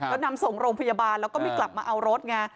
แล้วนำส่งโรงพยาบาลแล้วก็ไม่กลับมาเอารถไง